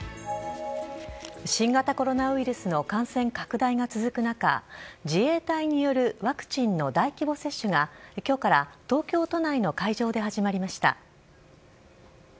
新型コロナウイルスの感染拡大が続く中、自衛隊によるワクチンの大規模接種が、きょうから東京都内の会場で始まりました。